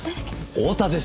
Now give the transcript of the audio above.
太田です。